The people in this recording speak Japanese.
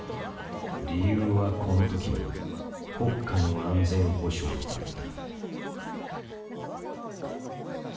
理由はこの時も「国家の安全保障」だった。